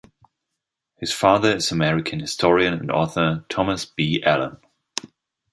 His father is American historian and author Thomas B. Allen.